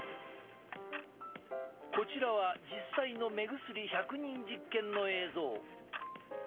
こちらは実際の目薬１００人実験の映像。